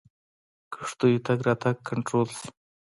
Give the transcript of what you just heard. کښتیو تګ راتګ کنټرول شي.